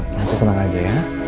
tante tenang aja ya